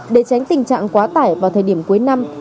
để tránh tình trạng quá tải vào thời điểm cuối năm